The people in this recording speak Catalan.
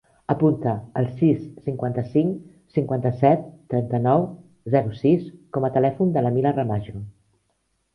Apunta el sis, cinquanta-cinc, cinquanta-set, trenta-nou, zero, sis com a telèfon de la Mila Ramajo.